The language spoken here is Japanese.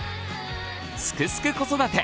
「すくすく子育て」